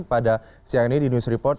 pada siang ini di news report